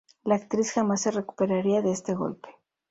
La actriz jamás se recuperaría de este golpe.